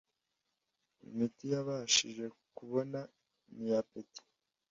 imiti yabashije kubona ni iya apeti ....